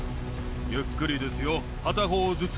ゆっくりですよ、片方ずつ。